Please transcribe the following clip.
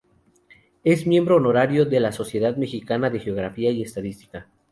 Es miembro honorario de la Sociedad Mexicana de Geografía y Estadística.